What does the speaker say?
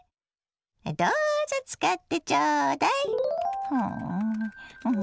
どうぞ使ってちょうだい。